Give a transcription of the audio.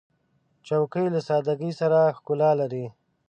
چوکۍ له سادګۍ سره ښکلا لري.